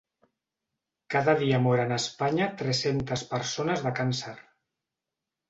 Cada dia moren a Espanya tres-centes persones de càncer.